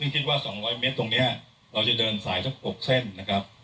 คิดว่าส่องร้อยเมตรตรงเนี้ยเราจะเดินสายทั้งอบเส้นนะครับ